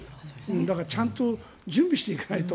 だから、ちゃんと準備していかないと。